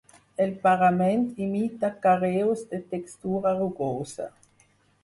El parament imita carreus de textura rugosa.